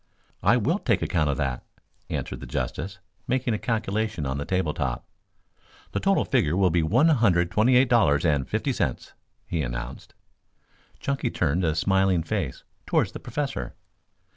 "I will take account of that," answered the justice, making a calculation on the table top. "The total figure will be one hundred twenty eight dollars and fifty cents," he announced. Chunky turned a smiling face towards the Professor.